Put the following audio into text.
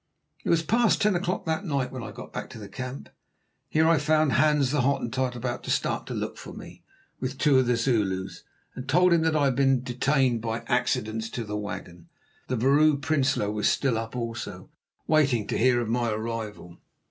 It was past ten o'clock that night when I got back to the camp, where I found Hans the Hottentot about to start to look for me, with two of the Zulus, and told him that I had been detained by accidents to the wagon. The Vrouw Prinsloo was still up also, waiting to hear of my arrival.